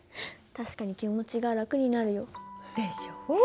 確かに気持ちが楽になるよ。でしょ？